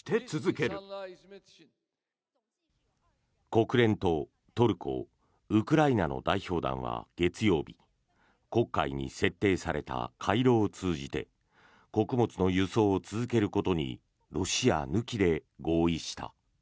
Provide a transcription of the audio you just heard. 国連とトルコ、ウクライナの代表団は月曜日黒海に設定された回廊を通じて穀物の輸送を続けることにロシア抜きで合意した。